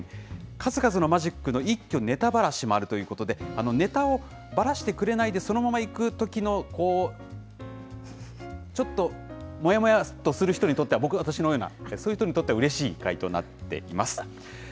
数々のマジックの一挙ネタばらしもあるということで、ネタをばらしてくれないで、そのままいくときの、ちょっともやもやっとする人にとっては、僕、私のような、そういう人にとっては、うれしい回となっています。